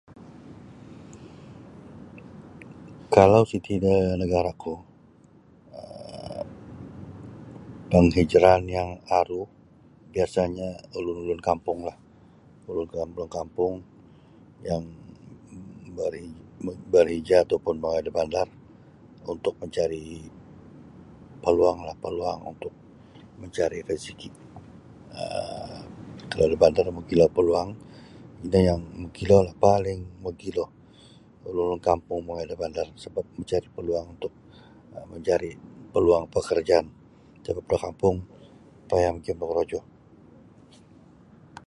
Kalau siti da nagara'ku um panghijraan yang aru biasanyo ulun-ulun kampunglah ulun-ulun kampung yang bar barhijrah atau pun mongoi da bandar untuk mancari' paluanglah paluang untuk mancari' rezki um kalau da bandar magilo paluang ino yang mogilolah paling mogilo ulun-ulun kampung mongoi da bandar sabap mancari' paluang untuk mancari' paluang pekerjaan sabap da kampung payah magiyum da korojo.